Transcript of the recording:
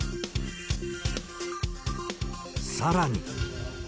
さらに。